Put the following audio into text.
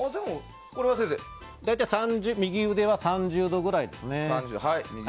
大体右腕は３０度ぐらいですね。